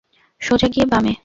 সোজা গিয়ে বামে।